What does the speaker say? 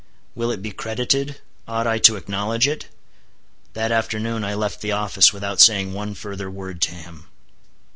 Will it be credited? Ought I to acknowledge it? That afternoon I left the office without saying one further word to him.